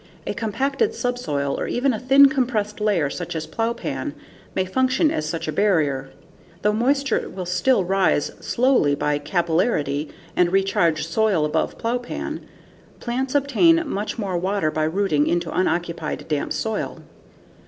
A compacted subsoil or even a thin compressed layer such as plowpan may function as such a barrier. Though moisture will still rise slowly by capillarity and recharge soil above plowpan, plants obtain much more water by rooting into unoccupied, damp soil.